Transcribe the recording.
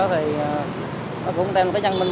thì cũng đem với chân mình